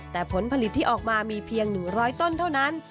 แต่ผลผลิตที่ออกมามีเพียง๑๐๐ต้นเท่านั้น